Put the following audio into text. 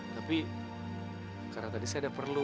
tapi karena tadi saya perlu